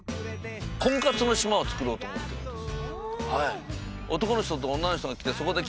婚活の島をつくろうと思ってるんです